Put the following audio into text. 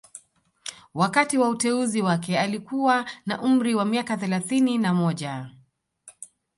Wakati wa uteuzi wake alikuwa na umri wa miaka thelathini na moja